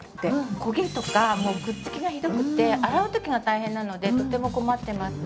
焦げとかくっつきがひどくて洗う時が大変なのでとても困ってます。